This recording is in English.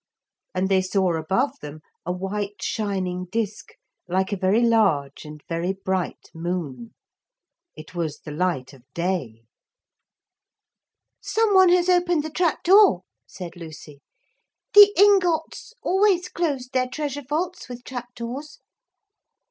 And they saw above them a white shining disk like a very large and very bright moon. It was the light of day. 'Some one has opened the trap door,' said Lucy. 'The Ingots always closed their treasure vaults with trap doors.'